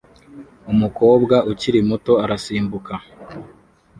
Umukobwa ukiri muto arasimbuka